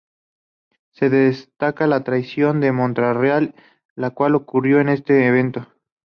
Se destaca la Traición de Montreal, la cual ocurrió en este evento.